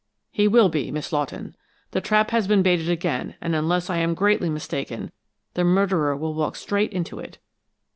"He will be, Miss Lawton! The trap has been baited again, and unless I am greatly mistaken, the murderer will walk straight into it.